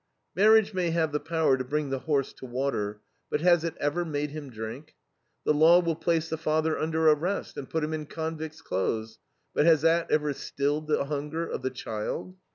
Marriage may have the power to bring the horse to water, but has it ever made him drink? The law will place the father under arrest, and put him in convict's clothes; but has that ever stilled the hunger of the child?